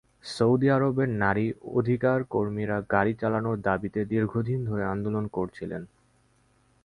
Saudi আরবের নারী অধিকারকর্মীরা গাড়ি চালানোর দাবিতে দীর্ঘদিন ধরে আন্দোলন করছিলেন।